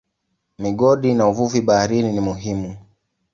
Migodi na uvuvi baharini ni muhimu.